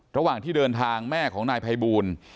ระหว่างที่เดินทางแม่ของนายภัยบูล